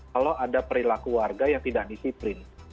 kalau ada perilaku warga yang tidak disiplin